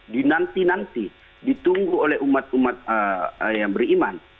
dinanti nanti ditunggu oleh umat umat yang beriman